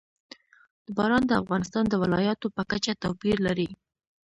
باران د افغانستان د ولایاتو په کچه توپیر لري.